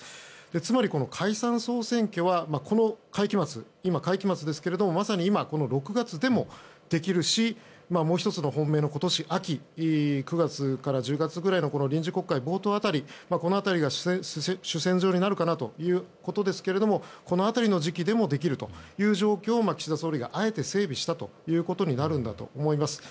つまり、解散・総選挙はこの会期末この６月でもできるしもう１つの本命の今年秋９月から１０月くらいの臨時国会の冒頭辺りこの辺りが主戦場になるかなということですがこの辺りの時期でもできるという状況を岸田総理があえて整備したということになるんだと思います。